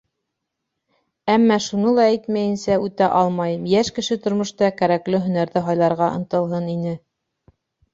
Әммә шуны ла әйтмәйенсә үтә алмайым: йәш кеше тормошта кәрәкле һөнәрҙе һайларға ынтылһын ине.